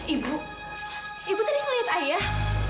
ibu ibu tadi ngeliat ayah